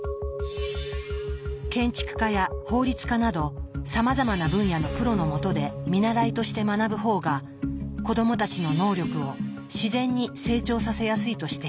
建築家や法律家などさまざまな分野のプロのもとで見習いとして学ぶ方が子どもたちの能力を自然に成長させやすいと指摘。